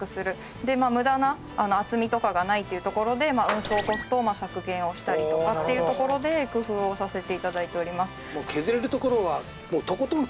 で無駄な厚みとかがないというところで運送コストを削減をしたりとかっていうところで工夫をさせて頂いております。